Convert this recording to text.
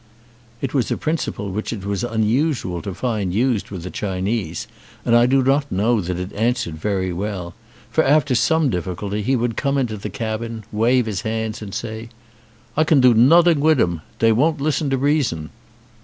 It was a principle which it was unusual to find used with the Chinese, and I do not know that it answered very well, for after some difficulty he would come into the cabin, wave his hands, and say: "I can do noding wid dem. Dey won't listen to reason."